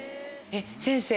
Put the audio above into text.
先生